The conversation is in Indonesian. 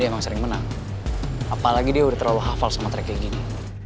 memang sering menang apalagi dia udah terlalu hafal sama trek gini